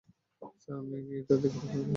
Sir, আমি কি এটা দেখতে পারি?